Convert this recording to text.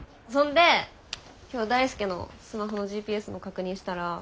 そんで今日大輔のスマホのＧＰＳの確認したら。